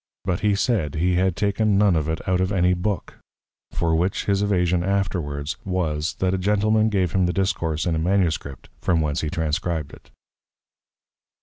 But he said, he had taken none of it out of any Book; for which, his Evasion afterwards, was, That a Gentleman gave him the Discourse in a Manuscript, from whence he Transcribed it.